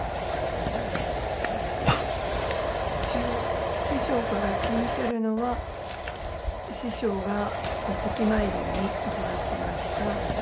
一応師匠から聞いてるのは師匠がお月参りに伺ってました